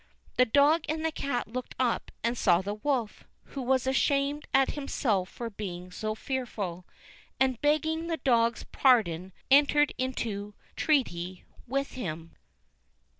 The dog and the cat looked up and saw the wolf, who was ashamed at himself for being so fearful, and, begging the dog's pardon, entered into treaty with him.